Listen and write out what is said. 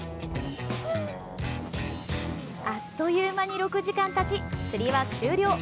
あっという間に６時間たち釣りは終了。